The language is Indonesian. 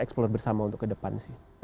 eksplor bersama untuk ke depan